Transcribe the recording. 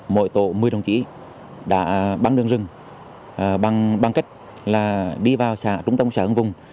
mỗi tổ một mươi đồng chí đã băng đường rừng bằng cách là đi vào trung tâm xã hưng vùng